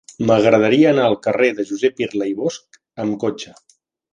M'agradaria anar al carrer de Josep Irla i Bosch amb cotxe.